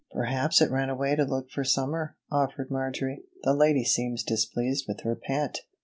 "Perhaps it ran away to look for summer," offered Marjory. "The lady seems displeased with her pet."